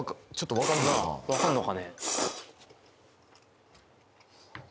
わかんのかね？